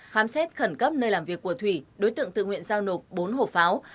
khám xét khẩn cấp nơi làm việc của thủy đối tượng tự nguyện giao nộp bốn hộp pháo